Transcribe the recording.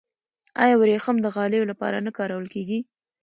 آیا وریښم د غالیو لپاره نه کارول کیږي؟